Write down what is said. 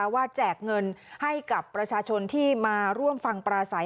แจกเงินให้กับประชาชนที่มาร่วมฟังปราศัย